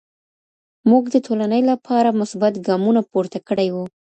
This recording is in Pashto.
موږ د ټولني له پاره مثبت ګامونه پورته کړی وو.